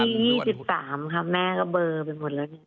วันที่๒๓ครับแม่ก็เบอร์เป็นหมดแล้ว